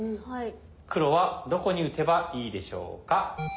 黒はどこに打てばいいでしょうか？